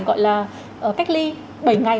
gọi là cách ly bảy ngày